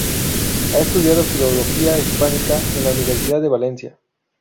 Ha estudiado Filología Hispánica en la Universidad de Valencia.